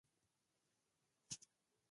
د ټرافیک قواعد د موټروانو ژوند خوندي کوي.